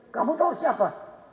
kamu tahu siapa